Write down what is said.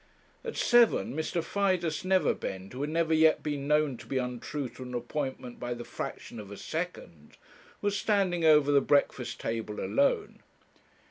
At seven Mr. Fidus Neverbend, who had never yet been known to be untrue to an appointment by the fraction of a second, was standing over the breakfast table alone.